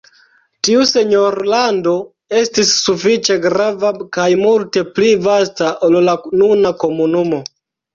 Tiu senjorlando estis sufiĉe grava kaj multe pli vasta ol la nuna komunumo.